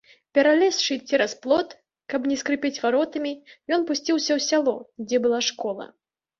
Пералезшы цераз плот, каб не скрыпець варотамі, ён пусціўся ў сяло, дзе была школа.